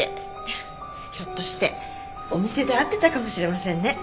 ひょっとしてお店で会ってたかもしれませんね。